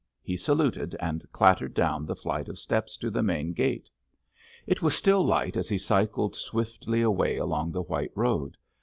He saluted and clattered down the flight of steps to the main gate. It was still light as he cycled swiftly away along the white road.